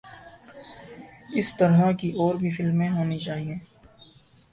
اس طرح کی اور بھی فلمیں ہونی چاہئے